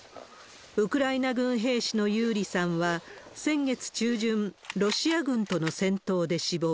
ウクライナ軍兵士のユーリィさんは、先月中旬、ロシア軍との戦闘で死亡。